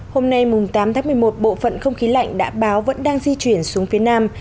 hôm nay tám tháng một mươi một bộ phận không khí lạnh đã báo vẫn đang di chuyển xuống phía nam